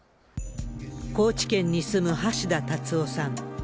高知県に住む橋田達夫さん。